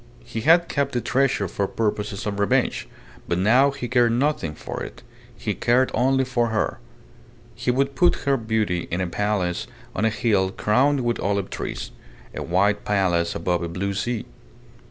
. He had kept the treasure for purposes of revenge; but now he cared nothing for it. He cared only for her. He would put her beauty in a palace on a hill crowned with olive trees a white palace above a blue sea.